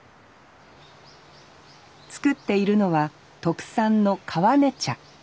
作っているのは特産の「川根茶」。